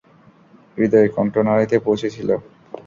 হৃদয় কণ্ঠনালীতে পৌঁছেছিল।